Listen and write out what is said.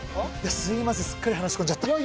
すみませんすっかり話しこんじゃった。